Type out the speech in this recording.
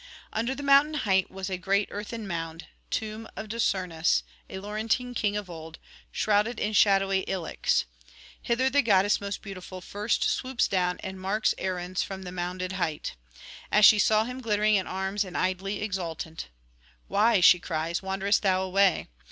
Under the mountain height was a great earthen mound, tomb of Dercennus, a Laurentine king of old, shrouded in shadowy ilex. Hither the goddess most beautiful first swoops down, and marks Arruns from the mounded height. As she saw him glittering in arms and idly exultant: 'Why,' she cries, 'wanderest thou away?